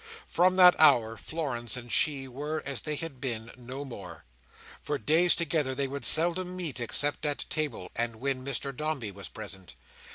From that hour, Florence and she were, as they had been, no more. For days together, they would seldom meet, except at table, and when Mr Dombey was present.